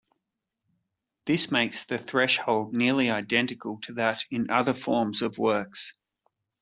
This makes the threshold nearly identical to that in other forms of works.